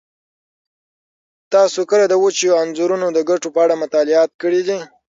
تاسو کله د وچو انځرونو د ګټو په اړه مطالعه کړې ده؟